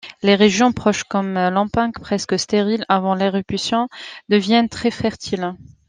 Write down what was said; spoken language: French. Les régions proches comme Lampung, presque stériles avant l'éruption, deviennent très fertiles.